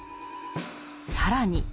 更に。